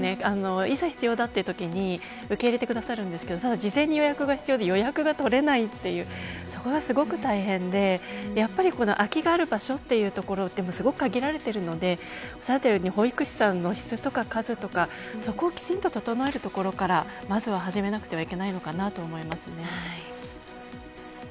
いざ必要だというときに受け入れてくださるんですけど事前に予約が必要で予約が取れないというそこがすごく大変でやはり空きがある場所というところ限られているので保育士さんの質とか数とかそこをきちんと整えるところから始めなくてはいけないのかな